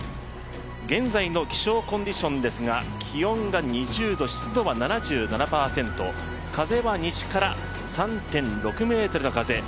現在の気象コンディションですが気温が２０度湿度は７７％、風は西から３．６ｍの風。